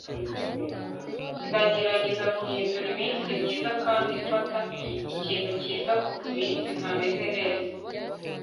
ndagerageza guhindura iminsi myiza kandi mfata ikintu cyiza kuva iminsi ntameze neza